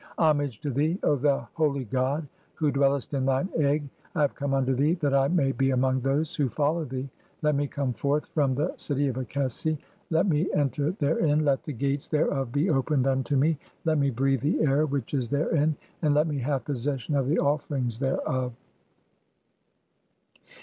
Homage to thee, O thou holy god who "dwellest in thine egg, I have come unto thee (8) that I may "be among those who follow thee ; let me come forth from the "city of Akesi, let me enter therein, let the gates thereof be "opened unto me, let me breathe the air (9) which is therein, "and let me have possession of the offerings thereof.''